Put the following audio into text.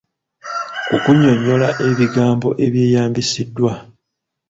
Okunnyonnyola ebigambo ebyeyambisiddwa.